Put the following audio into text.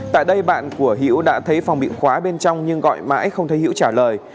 tại đây bạn của hiễu đã thấy phòng bị khóa bên trong nhưng gọi mãi không thấy hữu trả lời